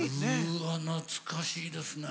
うわ懐かしいですね。